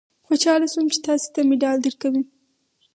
خوشاله شوم چې تاسې ته مډال درکوي.